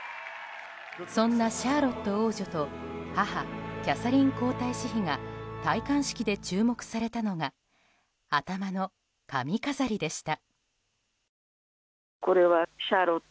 そんなシャーロット王女と母キャサリン皇太子妃が戴冠式で注目されたのが頭の髪飾りでした。